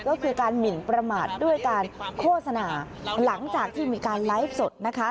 ก็คือการหมินประมาทด้วยการโฆษณาหลังจากที่มีการไลฟ์สดนะคะ